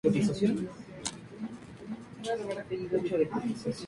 Únicamente cuatro personajes se reúnen en esta peculiar sala de tanatorio.